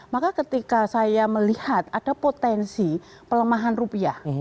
maka ketika saya melihat ada potensi pelemahan rupiah